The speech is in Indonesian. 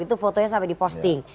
itu fotonya sampai di posting